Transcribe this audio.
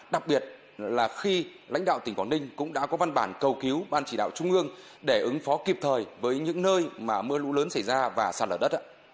đặc biệt là khi lãnh đạo tỉnh quảng ninh cũng đã có văn bản cầu cứu ban chỉ đạo trung ương để ứng phó kịp thời với những nơi mà mưa lũ lớn xảy ra và sạt lở đất